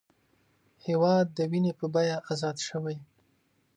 هېواد د وینې په بیه ازاد شوی